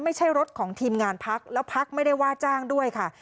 ไม่ใช่รถของทีมงานพักแล้วพักไม่ได้ว่าจ้างด้วยค่ะ